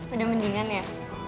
udah mendingan ya